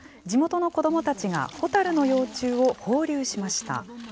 地元の子どもたちがホタルの幼虫を放流しました。